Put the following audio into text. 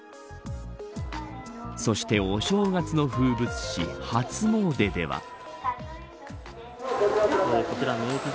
そしてお正月の風物詩初詣では。